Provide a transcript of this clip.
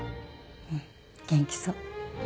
うん元気そう。